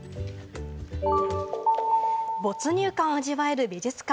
没入感を味わえる美術館。